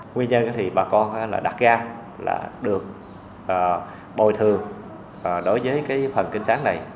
nguyên nhân thì bà con đặt ra là được bồi thường đối với phần kinh sáng này